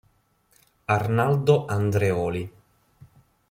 Arnaldo Andreoli